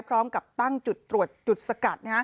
พร้อมกับตั้งจุดตรวจจุดสกัด